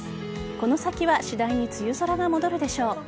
この先は次第に梅雨空が戻るでしょう。